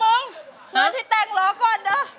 เวลาที่แต้งร้องก่อนนะ